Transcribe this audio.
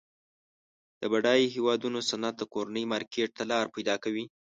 د بډایه هیوادونو صنعت د کورني مارکیټ ته لار پیداکوي.